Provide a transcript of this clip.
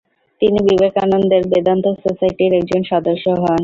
তিনি বিবেকানন্দের বেদান্ত সোসাইটির একজন সদস্য হন।